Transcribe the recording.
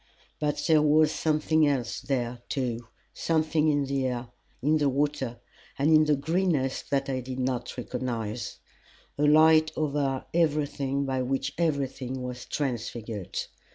But there was something else there, too something in the air, in the water, and in the greenness that I did not recognize a light over everything by which everything was transfigured.